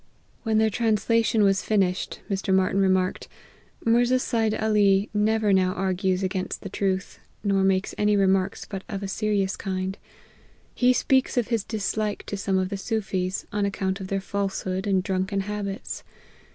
When their translation was finished, Mr. Martyn remarked, " Mirza Seid Ali never now argues against the truth, nor makes any remarks but of a serious kind. He speaks of his dislike to some of the Soofies, on account of their falsehood and drunken habits.